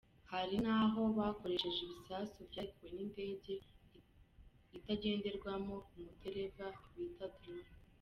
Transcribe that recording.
Hari n'aho bakoresheje ibisasu vyarekuwe n'indege itagenderamwo umudereva bita drone.